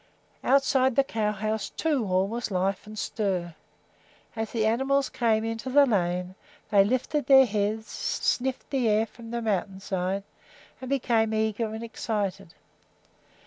Outside the cow house, too, all was life and stir. As the animals came into the lane, they lifted their heads, sniffed the air from the mountain side, and became eager and excited.